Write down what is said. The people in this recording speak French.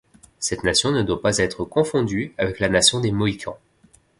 Cette nation ne doit pas être confondue avec la nation des Mohicans.